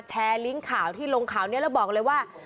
ลิงก์ข่าวที่ลงข่าวนี้แล้วบอกเลยว่า